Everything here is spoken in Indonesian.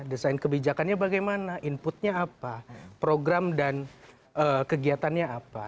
desain kebijakannya bagaimana inputnya apa program dan kegiatannya apa